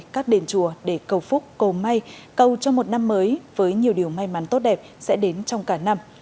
các đền chùa để cầu phúc cầu may cầu cho một năm mới với nhiều điều may mắn tốt đẹp sẽ đến trong cả năm